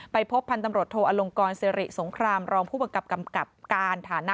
พบพันธุ์ตำรวจโทอลงกรสิริสงครามรองผู้บังกับกำกับการฐานะ